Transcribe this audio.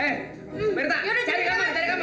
eh berta cari kamar cari kamar